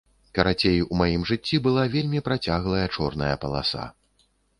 Карацей, у маім жыцці была вельмі працяглая чорная паласа.